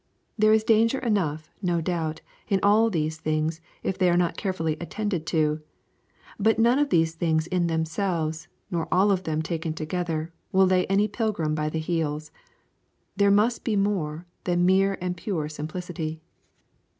There is danger enough, no doubt, in all these things if they are not carefully attended to, but none of all these things in themselves, nor all of them taken together, will lay any pilgrim by the heels. There must be more than mere and pure simplicity.